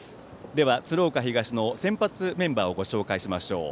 では、鶴岡東の先発メンバーをご紹介します。